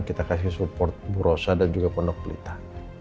kita kasih support bu rosa dan juga pondok pelita